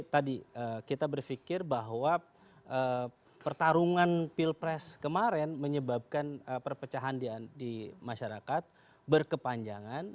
tadi kita berpikir bahwa pertarungan pilpres kemarin menyebabkan perpecahan di masyarakat berkepanjangan